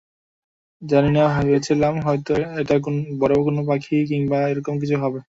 জানি না, ভেবেছিলাম হয়তো এটা বড় কোন পাখি কিংবা এরকম কিছু হবে!